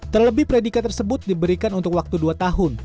terlebih predikat tersebut diberikan untuk waktu dua tahun